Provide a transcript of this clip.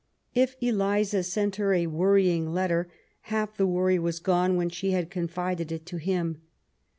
If Eliza sent her a worrying letter, half the worry was gone when she had confided it to him.